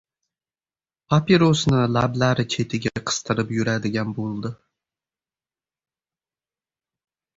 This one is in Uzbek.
Papirosni lablari chetiga qistirib yuradigan bo‘ldi.